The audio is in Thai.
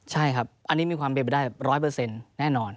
ใช่ครับอันนี้มีความเป็นไปได้ร้อยเปอร์เซ็นต์แน่นอน